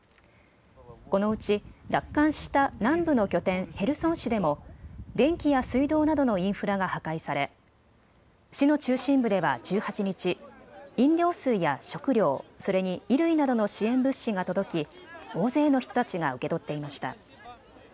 このうち奪還した南部の拠点、ヘルソン市でも電気や水道などのインフラが破壊され市の中心部では１８日、飲料水や食料、それに衣類などの支援物資が届き大勢の人たちが受け取っていました。